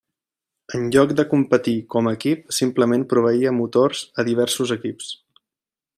En lloc de competir com a equip, simplement proveïa motors a diversos equips.